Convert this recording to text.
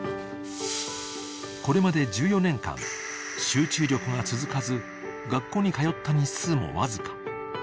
［これまで１４年間集中力が続かず学校に通った日数もわずか］